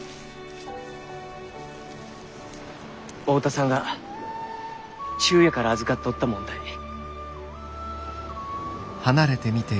大田さんが忠弥から預かっとったもんたい。